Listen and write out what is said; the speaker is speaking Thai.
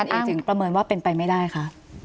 ทำไมคุณเอกจึงประเมินว่าเป็นไปไม่ได้คะ